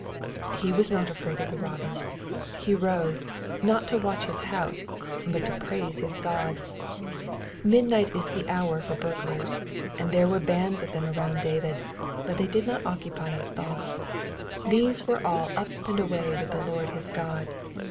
'*^ He was not afraid of the robbers; he rose, not to watch his house, but to praise his God. Midnight is the hour for burglars, and there were bands of them around David, but they did not occupy his thoughts ; these were all up and away with the Lord his God.